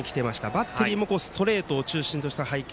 バッテリーもストレートを中心とした配球。